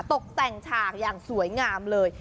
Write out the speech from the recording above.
ตกแต่งฉากอย่างสวยงามเลย